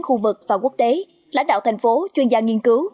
khu vực và quốc tế lãnh đạo thành phố chuyên gia nghiên cứu